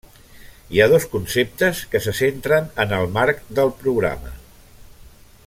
Hi ha dos conceptes que se centren en el marc del programa.